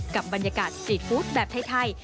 กับบรรยากาศสตรีทฟู้ดแบบไทย